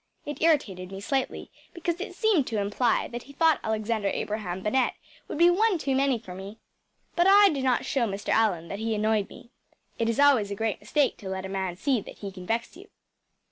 It irritated me slightly, because it seemed to imply that he thought Alexander Abraham Bennett would be one too many for me. But I did not show Mr. Allan that he annoyed me. It is always a great mistake to let a man see that he can vex you.